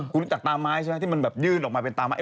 คุณรู้จักตาไม้ใช่ไหมที่มันแบบยื่นออกมาเป็นตาไม้